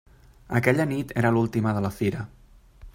Aquella nit era l'última de la fira.